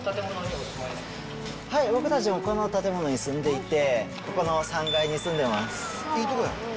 僕たちもこの建物に住んでいて、この３階に住んでます。